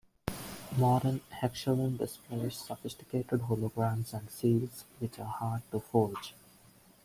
Modern hechsherim display sophisticated holograms and seals which are hard to forge.